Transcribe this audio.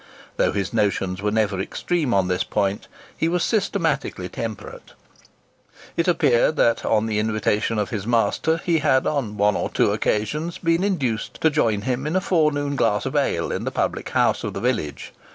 Though his notions were never extreme on this point, he was systematically temperate. It appears that on the invitation of his master, he had, on one or two occasions, been induced to join him in a forenoon glass of ale in the public house of the village.